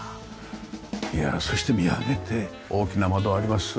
いやあそして見上げて大きな窓あります。